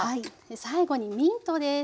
最後にミントです。